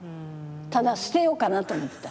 ただ捨てようかなと思った。